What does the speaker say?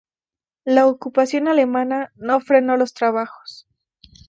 La ocupación alemana no frenó los trabajos.